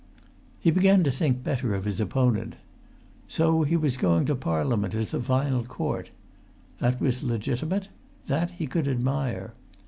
He began to think better of his opponent. So he was going to Parliament as the final court! That was legitimate; that he could admire.